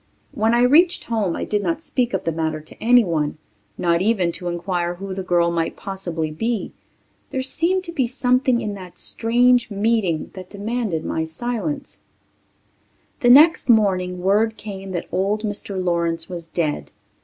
When I reached home I did not speak of the matter to anyone, not even to inquire who the girl might possibly be. There seemed to be something in that strange meeting that demanded my silence. The next morning word came that old Mr. Lawrence was dead.